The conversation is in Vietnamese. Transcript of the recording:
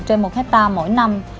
trên một hecta mỗi năm